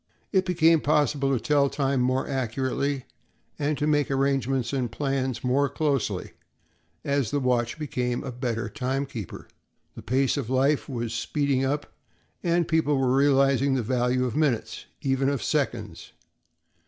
It became possible to tell time more accurately and to make arrangements and plans more closely as the watch became a better time keeper. The pace of life was speeding up, and people were realizing the value of minutes—even of seconds.